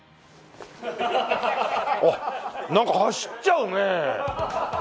あっなんか走っちゃうね！